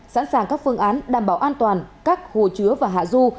sẵn sàng các phương án đảm bảo an toàn các hồ chứa và hạ du